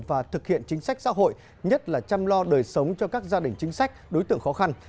và thực hiện chính sách xã hội nhất là chăm lo đời sống cho các gia đình chính sách đối tượng khó khăn